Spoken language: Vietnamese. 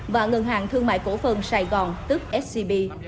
và ngân hàng thương mại cổ phần sài gòn tức scb